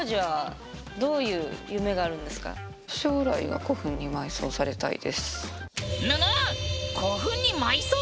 はい。